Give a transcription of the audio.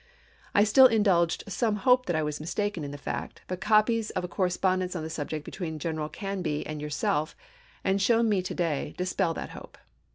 I still indulged some hope that I was mistaken in the fact ; but copies of a cor respondence on the subject between General Canby and yourself, and shown me to day, dispel that hope.